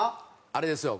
あれですよ